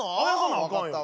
分かったわ。